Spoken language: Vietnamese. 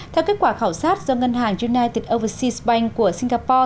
theo kết quả khảo sát do ngân hàng jnit overseas bank của singapore